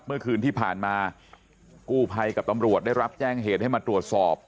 เมื่อคืนที่ผ่านมากู้ภัยกับตำรวจได้รับแจ้งเหตุให้มาตรวจสอบ